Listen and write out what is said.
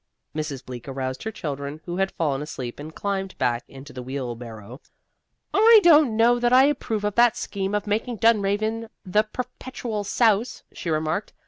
Mrs. Bleak aroused her children, who had fallen asleep, and climbed back into the wheelbarrow. "I don't know that I approve of that scheme of making Dunraven the Perpetual Souse," she remarked.